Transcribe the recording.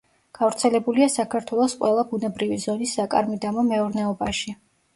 გავრცელებულია საქართველოს ყველა ბუნებრივი ზონის საკარმიდამო მეურნეობაში.